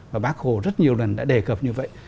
và bác hồ rất nhiều lần đã đề cập như vậy